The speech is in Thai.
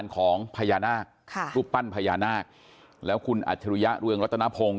ของพญานาคค่ะรูปปั้นพญานาคแล้วคุณอัจฉริยะเรืองรัตนพงศ์